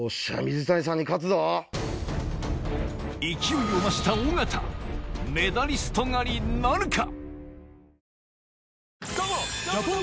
勢いを増した尾形メダリスト狩りなるか？